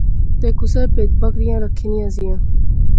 تے کُسے پہید بکریاں رکھیاں نیاں زیاں